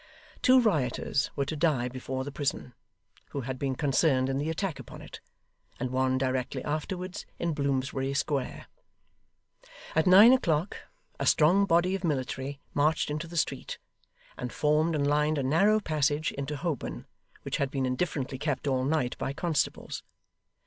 Two rioters were to die before the prison, who had been concerned in the attack upon it; and one directly afterwards in Bloomsbury Square. At nine o'clock, a strong body of military marched into the street, and formed and lined a narrow passage into Holborn, which had been indifferently kept all night by constables.